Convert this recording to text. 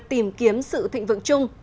tìm kiếm sự thịnh vượng chung